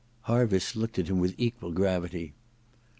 Harviss looked at him with equal gravity.